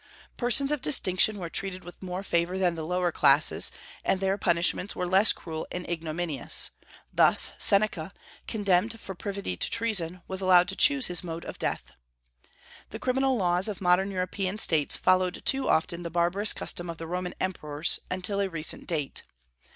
Persons of distinction were treated with more favor than the lower classes, and their punishments were less cruel and ignominious; thus Seneca, condemned for privity to treason, was allowed to choose his mode of death. The criminal laws of modern European States followed too often the barbarous custom of the Roman emperors until a recent date.